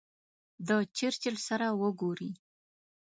د چرچل سره وګوري.